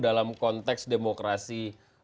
dalam konteks demokrasi